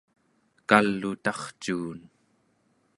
kal'utarcuun